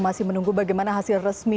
masih menunggu bagaimana hasil resmi